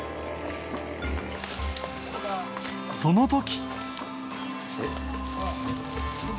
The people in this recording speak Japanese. その時！